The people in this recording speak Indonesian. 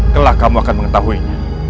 telah kamu akan mengetahuinya